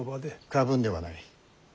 過分ではない。